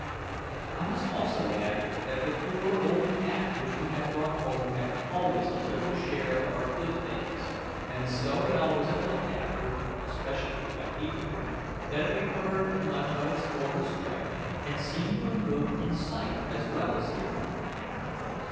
I must also add that the poor old cat which we had brought home had always a liberal share of our good things; and so well was it looked after, especially by Peterkin, that it recovered much of its former strength, and seemed to improve in sight as well as hearing.